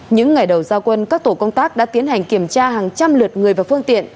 những ngày đầu giao quân các tổ công tác đã tiến hành kiểm tra hàng trăm lượt người và phương tiện